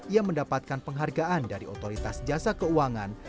ia mendapatkan penghargaan dari otoritas jasa keuangan